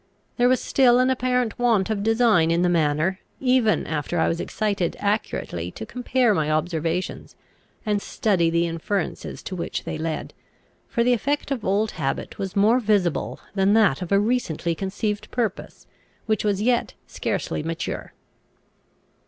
There was still an apparent want of design in the manner, even after I was excited accurately to compare my observations, and study the inferences to which they led; for the effect of old habit was more visible than that of a recently conceived purpose which was yet scarcely mature.